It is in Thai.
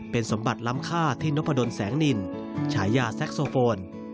เป็นสมบัติล้ำค่าที่นพดลแสงนินฉายาแซ็กโซโฟน